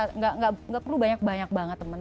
nggak perlu banyak banyak banget teman